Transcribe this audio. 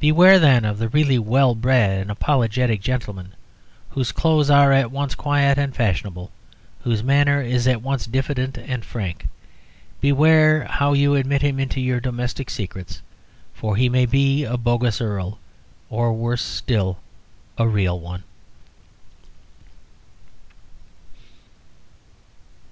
Beware, then, of the really well bred and apologetic gentleman whose clothes are at once quiet and fashionable, whose manner is at once diffident and frank. Beware how you admit him into your domestic secrets, for he may be a bogus Earl. Or, worse still, a real one.